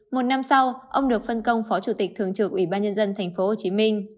một năm sau ông được phân công phó chủ tịch thường trực ủy ban nhân dân tp hcm